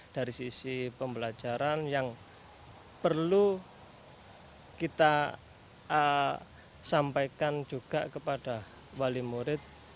dari sisi pembelajaran yang perlu kita sampaikan juga kepada wali murid